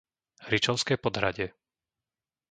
Hričovské Podhradie